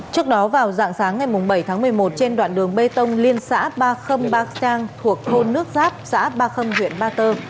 trước đó vào dạng sáng ngày bảy tháng một mươi một trên đoạn đường bê tông liên xã ba trăm linh ba sen thuộc thôn nước giáp xã ba khâm huyện ba tơ